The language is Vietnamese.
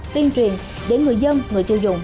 tuyên truyền để người dân người tiêu dụng